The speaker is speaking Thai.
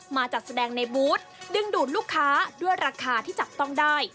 มาจัดแสดงในบูธดึงดูดลูกค้าด้วยราคาที่จับต้องได้